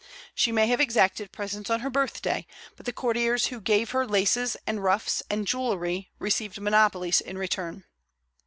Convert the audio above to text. She may have exacted presents on her birthday; but the courtiers who gave her laces and ruffs and jewelry received monopolies in return.